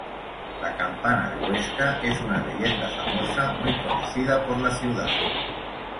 La Campana de Huesca es una leyenda famosa muy conocida por la ciudad.